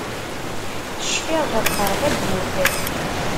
Cfiɣ ɣelqeɣ tawwurt.